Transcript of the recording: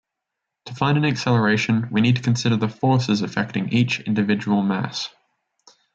To find an acceleration we need to consider the forces affecting each individual mass.